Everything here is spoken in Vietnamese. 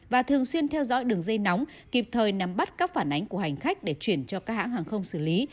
và thường xuyên theo dõi đường dây nóng kịp thời nắm bắt các phản ánh của hành khách để chuyển cho các hãng hàng không xử lý